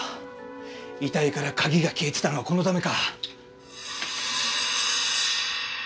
遺体から鍵が消えてたのはこのためか。